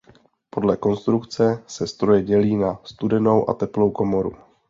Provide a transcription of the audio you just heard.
Podle konstrukce se stroje dělí na studenou a teplou komoru.